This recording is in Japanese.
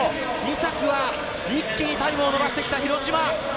２着は一気にタイムを伸ばしてきた廣島。